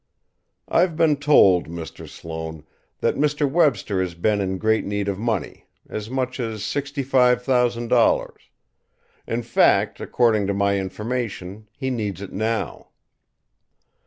"I've been told, Mr. Sloane, that Mr. Webster has been in great need of money, as much as sixty five thousand dollars. In fact, according to my information, he needs it now."